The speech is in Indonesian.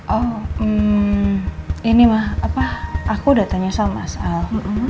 oh ini mah apa aku datangnya sama mas al